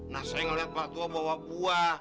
nah saya melihat pak tua bawa buah